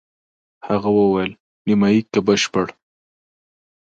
هغه وویل: نیمایي که بشپړ؟